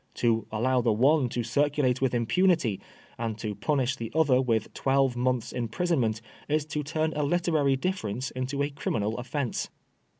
To allow the one to circulate with impunity, and to punish the other with twelve months* imprisonment, is to turn a literary difference into a criminal offence.